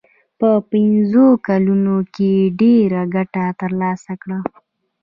په پنځو کلونو کې ډېره ګټه ترلاسه کړه.